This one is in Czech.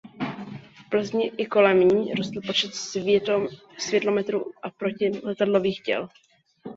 V Plzni i kolem ní rostl počet světlometů a protiletadlových děl.